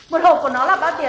một hộp của nó là bao tiền ạ